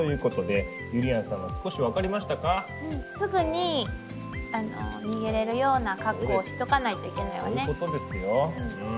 すぐに逃げれるような格好をしとかないといけないわね。